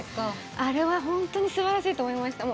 あれは本当にすばらしいと思いました。